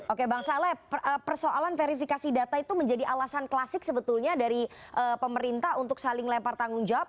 oke bang saleh persoalan verifikasi data itu menjadi alasan klasik sebetulnya dari pemerintah untuk saling lempar tanggung jawab